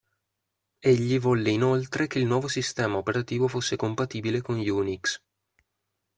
Egli volle inoltre che il nuovo sistema operativo fosse compatibile con Unix.